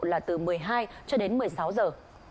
là từ một mươi hai cho đến một mươi sáu giờ